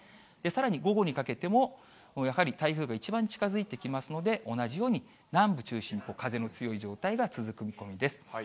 さらに午後にかけても、やはり台風が一番近づいてきますので、同じように南部中心に風の強い状態が続く見込みです。